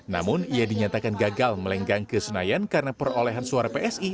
namun ia dinyatakan gagal melenggang ke senayan karena perolehan suara psi